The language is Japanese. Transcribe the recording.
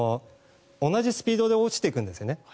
同じスピードで落ちていくんですよね。